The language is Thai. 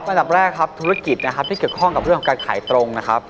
อันดับแรกครับธุรกิจนะครับที่เกี่ยวข้องกับเรื่องของการขายตรงนะครับ